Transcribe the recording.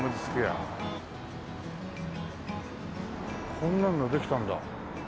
こんなのできたんだ。